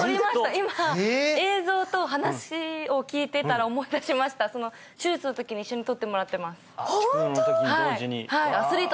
今映像と話を聞いていたら思い出しました手術のときに一緒に取ってもらってますホント？